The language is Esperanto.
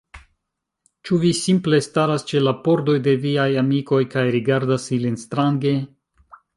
Ĉu vi simple staras ĉe la pordoj de viaj amikoj, kaj rigardas ilin strange?